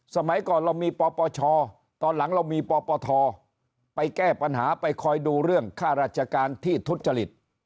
สมัยก่อนเรามีปปชตอนหลังเรามีปปทไปแก้ปัญหาไปคอยดูเรื่องค่าราชการที่ทุจริต